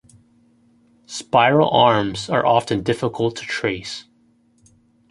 Spiral arms are often difficult to trace...